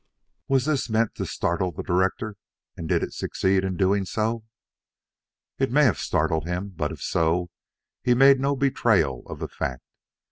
Was this meant to startle the director, and did it succeed in doing so? It may have startled him, but if so, he made no betrayal of the fact.